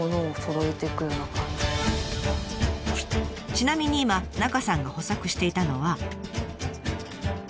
ちなみに今中さんが補作していたのは。